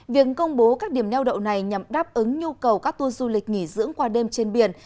việc công bố các điểm neo đậu này nhằm đáp ứng nhu cầu các tuôn du lịch nghỉ dưỡng qua đêm trên biển